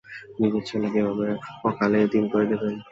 নিজের ছেলেকে এভাবে অকালে এতিম করে দেবেন?